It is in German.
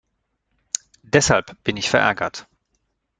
Deshalb bin ich verärgert.